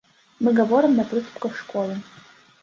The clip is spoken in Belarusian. Мы гаворым на прыступках школы.